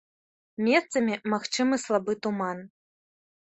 Месцамі магчымы слабы туман.